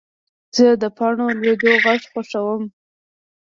زه د پاڼو لوېدو غږ خوښوم.